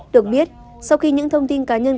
được biết sau khi những thông tin cá nhân